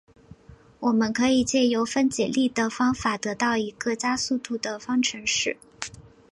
我们可以藉由分解力的方法得到一个加速度的方程式。